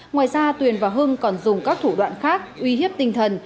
ngoài ra tuyền và hưng còn dùng các thủ đoạn khác uy hiếp tinh thần